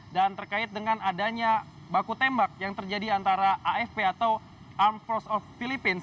dan terkait dengan adanya baku tembak yang terjadi antara afp atau armed forces of philippines